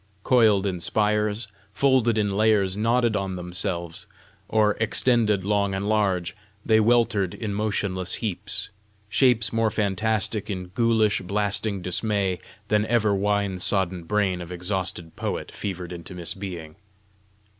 Coiled in spires, folded in layers, knotted on themselves, or "extended long and large," they weltered in motionless heaps shapes more fantastic in ghoulish, blasting dismay, than ever wine sodden brain of exhausted poet fevered into misbeing.